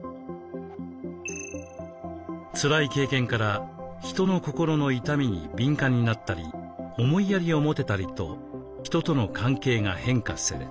つらい経験から人の心の痛みに敏感になったり思いやりを持てたりと人との関係が変化する。